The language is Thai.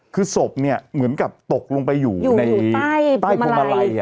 คือศพเหมือนกับตกลงไปอยู่ในใต้ภูมิลัย